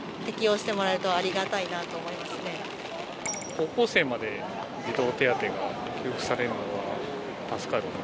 高校生まで児童手当が給付されるのは助かる。